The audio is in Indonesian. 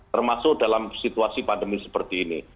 termasuk dalam situasi pandemi seperti ini